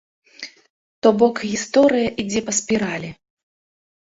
То бок гісторыя ідзе па спіралі.